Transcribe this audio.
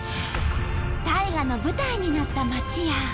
大河の舞台になった町や。